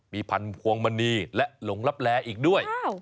มีพันภวงมณีและหลงรับแหลออีกด้วย